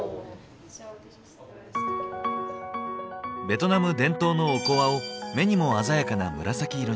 ベトナム伝統のおこわを目にも鮮やかな紫色に。